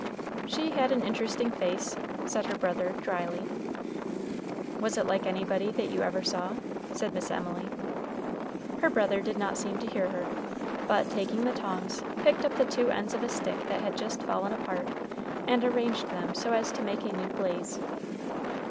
"She had an interesting face," said her brother, dryly. "Was it like anybody that you ever saw?" said Miss Emily. Her brother did not seem to hear her, but, taking the tongs, picked up the two ends of a stick that had just fallen apart, and arranged them so as to make a new blaze.